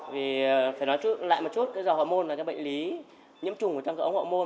vì phải nói lại một chút cái dò hậu môn là cái bệnh lý nhiễm trùng của trang trọng hậu môn